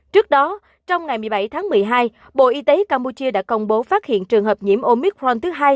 trước đó trong ngày một mươi bảy tháng một mươi hai bộ y tế campuchia đã công bố phát hiện trường hợp nhiễm omic ron thứ hai